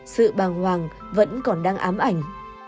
sự bàng hoàng vẫn còn đang ám ảnh